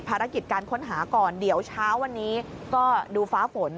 ภารกิจการค้นหาก่อนเดี๋ยวเช้าวันนี้ก็ดูฟ้าฝน